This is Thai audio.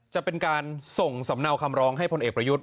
จะเป็นการส่งสำเนาคำร้องให้พลเอกประยุทธ์